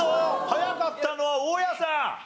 早かったのは大家さん。